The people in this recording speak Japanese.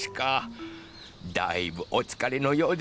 だいぶおつかれのようですね。